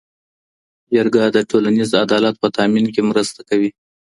جرګه د ټولنیز عدالت په تامین کي مرسته کوي.